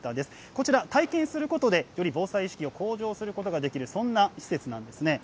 こちら、体験することで、より防災意識を向上することができる、そんな施設なんですね。